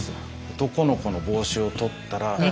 男の子の帽子を取ったら。